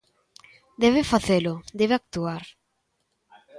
Debe facelo, debe actuar.